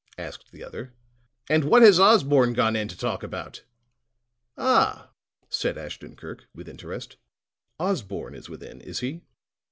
asked the other. "And what has Osborne gone in to talk about?" "Ah," said Ashton Kirk, with interest, "Osborne is within, is he?"